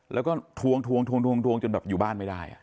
แล้วก็ทวงจนแบบอยู่บ้านไม่ได้